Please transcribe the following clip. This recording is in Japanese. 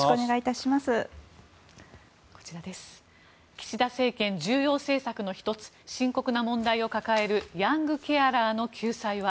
岸田政権、重要政策の１つ深刻な問題を抱えるヤングケアラーの救済は？